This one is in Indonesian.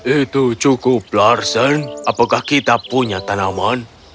itu cukup larsen apakah kita punya tanaman